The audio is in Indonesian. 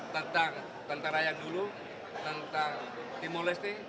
tentang tentara yang dulu tentang timor leste